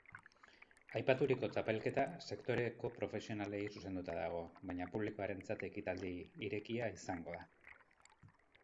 Aipaturiko txapelketa sektoreko profesionalei zuzenduta dago, baina publikoarentzat ekitaldi irekia izango da.